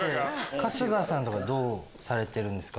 春日さんどうされてるんですか？